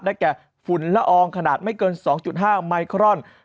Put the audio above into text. แก่ฝุ่นละอองขนาดไม่เกิน๒๕ไมครอน